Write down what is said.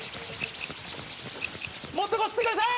もっとこすってください！